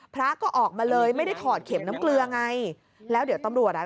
พระก็ออกมาเลยไม่ได้ถอดเข็มน้ำเกลือไงแล้วเดี๋ยวตำรวจอ่ะ